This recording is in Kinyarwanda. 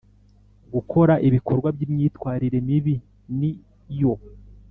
Gukora ibikorwa by imyitwarire mibi ni yo